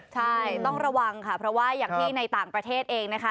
ใช่ต้องระวังค่ะเพราะว่าอย่างที่ในต่างประเทศเองนะคะ